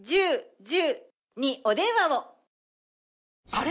あれ？